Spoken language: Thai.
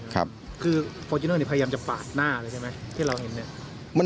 คือฟอร์จูเนอร์เนี่ยพยายามจะปาดหน้าเลยใช่ไหมที่เราเห็นเนี่ย